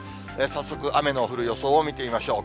早速、雨の降る予想を見てみましょう。